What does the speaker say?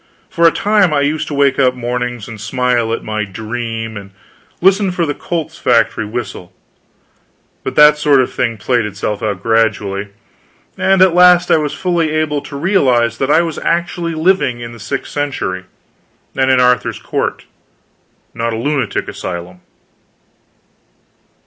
For a time, I used to wake up, mornings, and smile at my "dream," and listen for the Colt's factory whistle; but that sort of thing played itself out, gradually, and at last I was fully able to realize that I was actually living in the sixth century, and in Arthur's court, not a lunatic asylum.